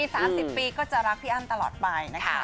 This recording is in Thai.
ต่อให้อีก๑๐๒๐๓๐ปีก็จะรักพี่อ้ำตลอดไปนะคะ